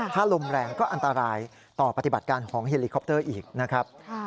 ถ้าลมแรงก็อันตรายต่อปฏิบัติการของเฮลิคอปเตอร์อีกนะครับ